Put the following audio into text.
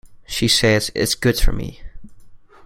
She says it's good for me.